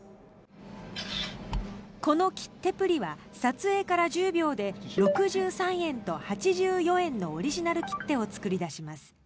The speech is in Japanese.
この切手プリは撮影から１０秒で６３円と８４円のオリジナル切手を作り出します。